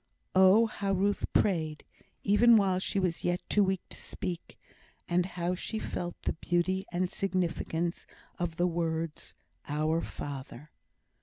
Oh, how Ruth prayed, even while she was yet too weak to speak; and how she felt the beauty and significance of the words, "Our Father!"